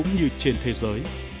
như trên thế giới